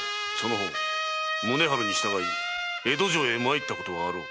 宗春に従い江戸城へ参ったことがあろう。